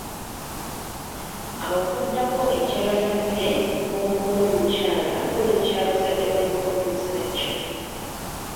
Awo kuddako eky’abazadde b’omugole omukyala ko n’eky’ab’omugole omusajja.